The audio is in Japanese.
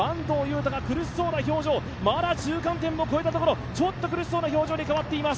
汰が苦しそうな表情、まだ中間点を超えたところ、ちょっと苦しそうな表情に変わっています。